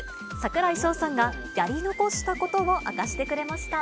櫻井翔さんがやり残したことを明かしてくれました。